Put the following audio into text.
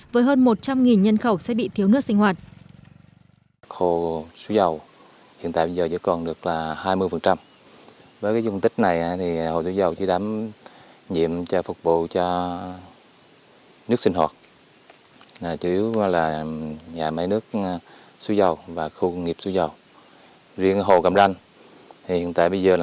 với hơn một trăm linh nhân khẩu sẽ bị thiếu nước sinh hoạt